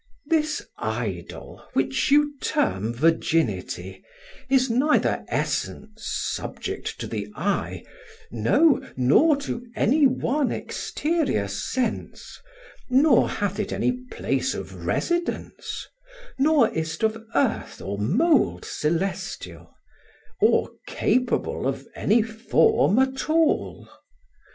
This idol, which you term virginity, Is neither essence subject to the eye, No, nor to any one exterior sense, Nor hath it any place of residence, Nor is't of earth or mould celestial, Or capable of any form at all.